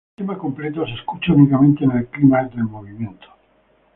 El tema completo se escucha únicamente en el clímax del movimiento.